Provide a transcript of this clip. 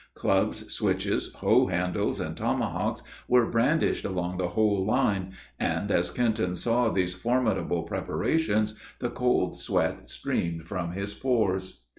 Clubs, switches, hoe handles, and tomahawks, were brandished along the whole line, and, as Kenton saw these formidable preparations, the cold sweat streamed from his pores.